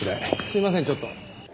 すいませんちょっと。